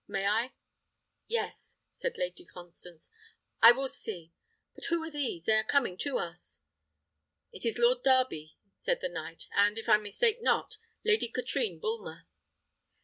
May I?" "Yes," said Lady Constance, "I will see. But who are these? They are coming to us." "It is Lord Darby," said the knight, "and, if I mistake not, Lady Katrine Bulmer."